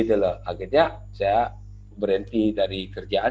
akhirnya saya berhenti dari kerjaan